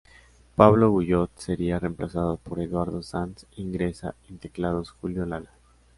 Pablo Guyot sería reemplazado por Eduardo Sanz e ingresa en teclados Julio Lala.